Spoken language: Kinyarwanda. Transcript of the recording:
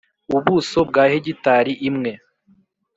Ubuso bwa hegitari imwe